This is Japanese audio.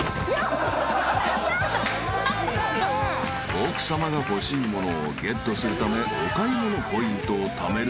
［奥さまが欲しい物をゲットするためお買い物ポイントをためる